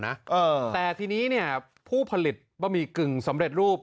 เออแต่ทีนี้เนี่ยผู้ผลิตบะหมี่กึ่งสำเร็จรูป